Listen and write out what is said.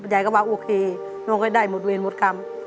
ยายก็ว่าโอเคน้องก็ได้หมดเวรหมดกรรม